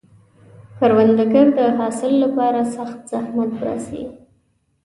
کروندګر د حاصل لپاره سخت زحمت باسي